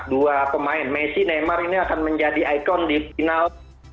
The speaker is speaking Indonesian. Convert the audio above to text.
dua pemain messi neymar ini akan menjadi ikon di final